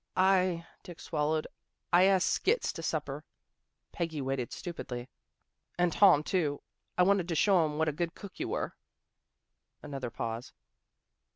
" I " Dick swallowed. " I asked Skits to supper." Peggy waited stupidly. " And Tom, too. I wanted to show 'em what a good cook you were." Another pause.